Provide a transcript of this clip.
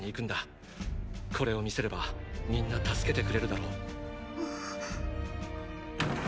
これを見せればみんな助けてくれるだろう。